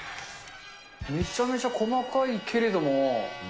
めちゃめちゃ細かいけれども。